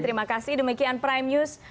terima kasih demikian prime news